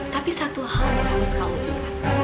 tapi satu hal yang harus kamu ingat